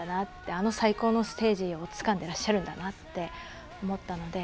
あの最高のステージをつかんでらっしゃるんだなって思ったので。